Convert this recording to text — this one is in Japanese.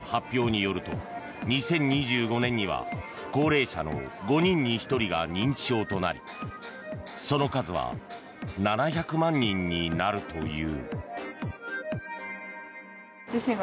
厚生労働省の発表によると２０２５年には高齢者の５人に１人が認知症となりその数は７００万人になるという。